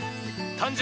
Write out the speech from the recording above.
誕生！